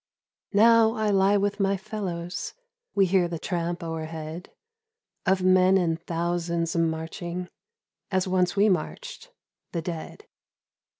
Now I lie with my fellows, We hear the tramp o'erhead Of men in thousands marching As once we marched, the dead.